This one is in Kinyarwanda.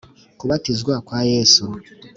Kubatizwa kwa Yesu